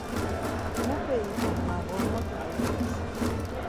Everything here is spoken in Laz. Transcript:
Mupe ikom, na ğormotik egzdase